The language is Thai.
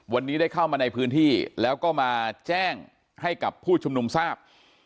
วันนี้ได้เข้ามาในพื้นที่แล้วก็มาแจ้งให้กับผู้ชุมนุมทราบ